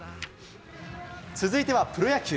続いてはプロ野球。